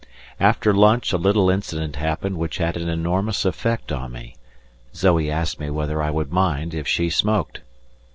After lunch, a little incident happened which had an enormous effect on me; Zoe asked me whether I would mind if she smoked.